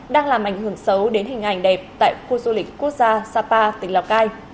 đang làm ảnh hưởng xấu đến hình ảnh đẹp tại khu du lịch quốc gia sapa tỉnh lào cai